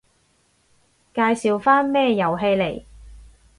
介紹返咩遊戲嚟